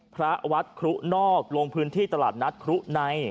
พระวัดครุนอกลงพื้นที่ตลาดนัดครุใน